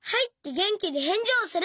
げんきにへんじをする。